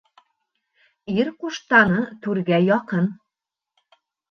Ир ҡуштаны түргә яҡын